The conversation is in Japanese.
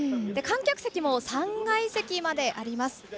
観客席も３階席まであります。